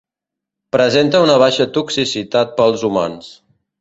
Presenta una baixa toxicitat per als humans.